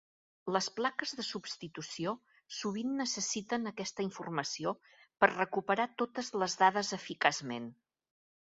Les plaques de substitució sovint necessiten aquesta informació per recuperar totes les dades eficaçment.